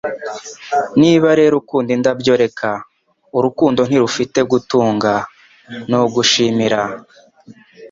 Niba rero ukunda indabyo, reka. Urukundo ntirufite gutunga. Ni ugushimira. ”